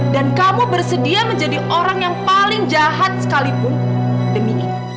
dan kamu bersedia menjadi orang yang paling jahat sekalipun